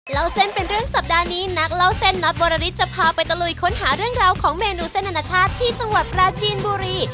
เล่าเส้นเป็นเรื่องสัปดาห์นี้นักเล่าเส้นน็อตวรริสจะพาไปตะลุยค้นหาเรื่องราวของเมนูเส้นอนาชาติที่จังหวัดปราจีนบุรี